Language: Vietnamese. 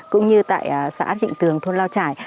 cũng như tại xã trịnh tường thôn lào trải